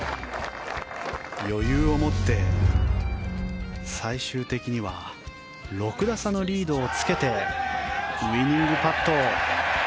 余裕を持って、最終的には６打差のリードをつけてウィニングパット。